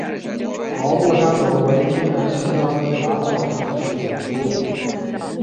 毛过山龙为天南星科崖角藤属的植物。